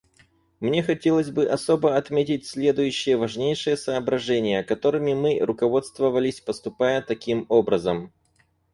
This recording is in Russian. Мне хотелось бы особо отметить следующие важнейшие соображения, которыми мы руководствовались, поступая таким образом.